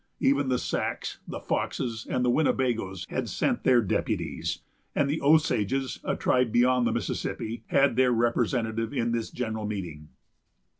Even the Sacs, the Foxes, and the Winnebagoes had sent their deputies; and the Osages, a tribe beyond the Mississippi, had their representative in this general meeting.